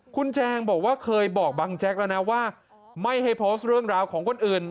คุณแจงบอกว่าเคยบอกบังแจ๊กแล้วนะว่าไม่ให้โพสต์เรื่องราวของคนอื่น